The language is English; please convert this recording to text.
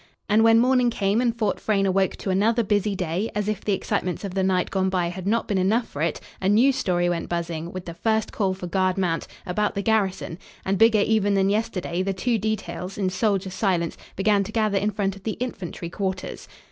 And when morning came and Fort Frayne awoke to another busy day, as if the excitements of the night gone by had not been enough for it, a new story went buzzing, with the first call for guard mount, about the garrison; and, bigger even than yesterday, the two details, in soldier silence, began to gather in front of the infantry quarters.